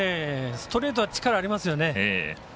ストレートは力ありますよね。